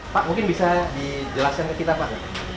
pak mungkin bisa dijelaskan ke kita pak